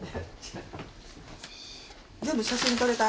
全部写真撮れた？